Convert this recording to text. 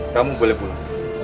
kamu boleh pulang